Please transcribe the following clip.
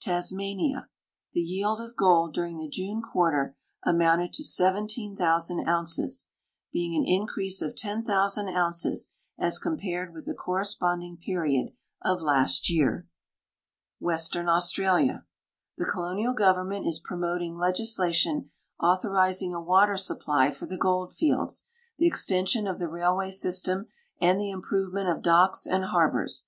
Tasmania. The yield of gold during the June quarter amounted to 17,000 ounces, being an increase of 10,000 ounces as compared with the corresponding period of last year. THE AMERICAN ASSOCIATION AT BUFFALO 315 Western Australia. The colonial government is promoting legisla tion authorizing a water supply for the gold fields, the extension of the raihvaj^ system, and the improvement of docks and harbors.